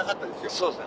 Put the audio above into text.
そうですね。